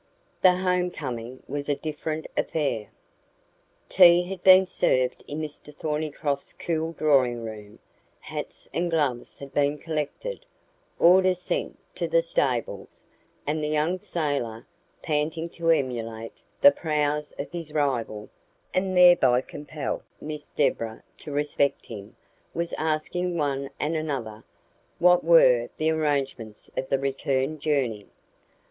The home coming was a different affair. Tea had been served in Mr Thornycroft's cool drawing room, hats and gloves had been collected, orders sent to the stables; and the young sailor, panting to emulate the prowess of his rival, and thereby compel Miss Deborah to respect him, was asking one and another what were the arrangements for the return journey.